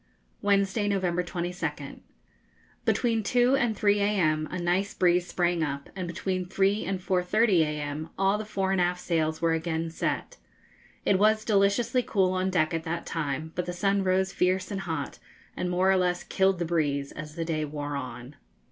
Wednesday, November 22nd. Between 2 and 3 a.m. a nice breeze sprang up, and between 3 and 4.30 a.m. all the fore and aft sails were again set. It was deliciously cool on deck at that time; but the sun rose fierce and hot, and more or less killed the breeze as the day wore on.